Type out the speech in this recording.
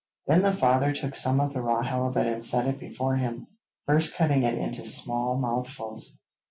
Then the father took some of the raw halibut and set it before him, first cutting it into small mouthfuls.